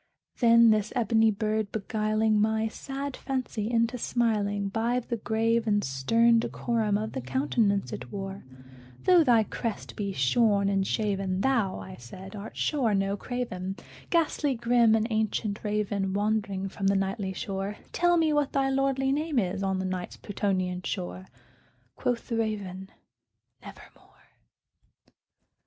Then this ebony bird beguiling my sad fancy into smiling, By the grave and stern decorum of the countenance it wore, "Though thy crest be shorn and shaven, thou," I said, "art sure no craven, Ghastly grim and ancient Raven wandering from the Nightly shore, Tell me what thy lordly name is on the Night's Plutonian shore!" Quoth the Raven, "Nevermore."